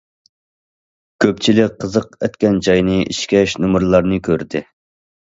كۆپچىلىك قىزىق ئەتكەنچاينى ئىچكەچ نومۇرلارنى كۆردى.